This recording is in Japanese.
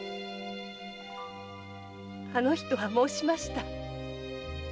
あの人は申しました。